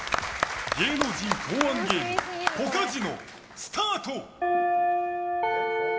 芸能人考案ゲームポカジノスタート！